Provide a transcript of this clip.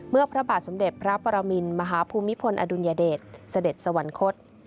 พระบาทสมเด็จพระปรมินมหาภูมิพลอดุลยเดชเสด็จสวรรคต